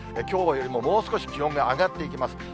きょうよりももう少し気温が上がっていきます。